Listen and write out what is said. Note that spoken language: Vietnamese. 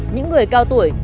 những người cao tuổi